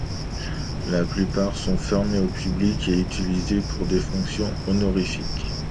La plupart sont fermés au public et utilisés pour des fonctions honorifiques.